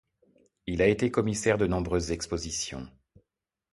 Il a été commissaire de nombreuses expositions.